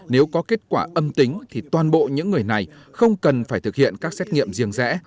nếu có kết quả âm tính thì toàn bộ những người này không cần phải thực hiện các xét nghiệm riêng rẽ